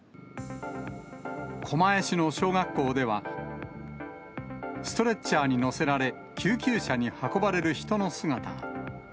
狛江市の小学校では、ストレッチャーに乗せられ、救急車に運ばれる人の姿が。